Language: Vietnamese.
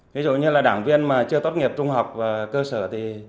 ví dụ như là đảng viên mà chưa tốt nghiệp trung học và cơ sở